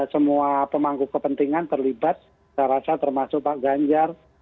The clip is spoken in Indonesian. semua pemangku kepentingan terlibat saya rasa termasuk pak ganjar